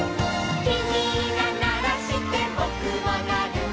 「きみがならしてぼくもなる」